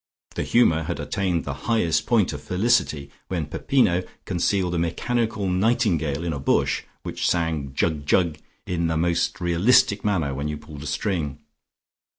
The humour had attained the highest point of felicity when Peppino concealed a mechanical nightingale in a bush, which sang "Jug jug" in the most realistic manner when you pulled a string.